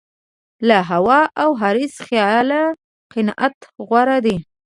له هوا او حرص خیاله قناعت غوره دی.